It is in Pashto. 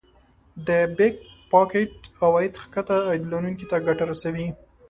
د Back pocket عواید ښکته عاید لرونکو ته ګټه رسوي